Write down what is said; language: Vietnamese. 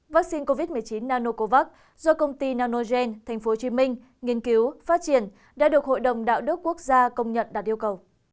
vaccine covid một mươi chín nanocovax do công ty nanogen tp hcm nghiên cứu phát triển đã được hội đồng đạo đức quốc gia công nhận đạt yêu cầu